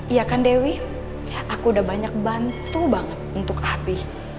iya kan dewi aku udah banyak bantu banget untuk api